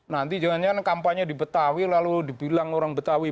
nanti jangankan kampanye di betawi lalu dibilang orang betawi